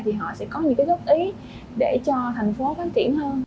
thì họ sẽ có những góp ý để cho tp hcm phát triển hơn